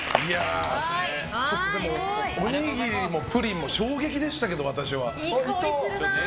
おにぎりもプリンも衝撃でしたけど、私は。